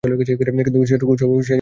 কিন্তু সেটুকু উৎসাহও সে যেন পায় না।